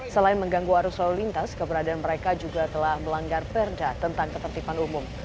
selain mengganggu arus lalu lintas keberadaan mereka juga telah melanggar perda tentang ketertiban umum